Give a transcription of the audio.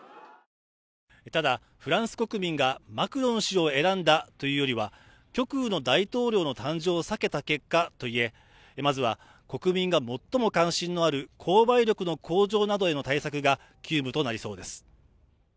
ただフランス国民がマクロン氏を選んだというよりは極右の大統領の誕生を避けた結果といえまずは国民が最も関心のある購買力の向上などへの対策が急務となりそうです